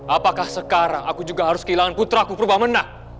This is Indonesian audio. apakah sekarang aku juga harus kehilangan putraku prwamunak